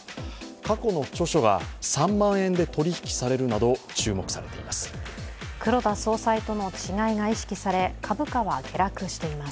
過去の著書が３万円で取り引きされるなど注目されています。